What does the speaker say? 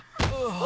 ああ。